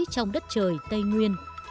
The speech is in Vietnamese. trong đất trời tây nguyên